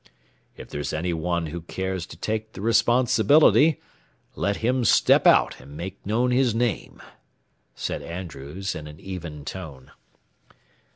"If there's any one who cares to take the responsibility, let him step out and make known his name," said Andrews, in an even tone.